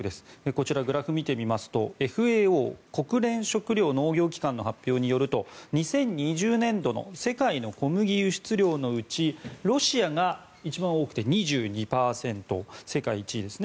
こちら、グラフを見てみますとＦＡＯ・国連食糧農業機関の発表によると２０２０年度の世界の小麦輸出量のうちロシアが一番多くて２２％世界１位です。